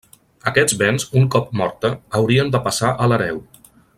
Aquests béns, un cop morta, haurien de passar a l’hereu.